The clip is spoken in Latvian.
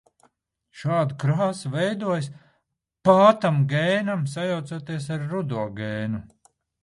Šāda krāsa veidojas, pātam gēnam sajaucoties ar rudo gēnu.